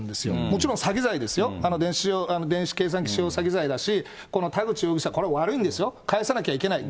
もちろん詐欺罪ですよ、電子計算機使用詐欺罪だし、田口容疑者これ、悪いんですよ、返さなきゃいけない。